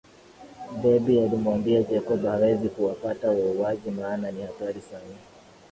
Debby alimwambia Jacob hawezi kuwapata wauwaji maana ni hatari sana